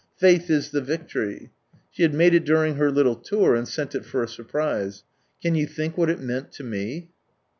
"Faith IS THE Victory 1 " She had made it during her little tour, and sent it for a sur prise. Can you think what it meant to me?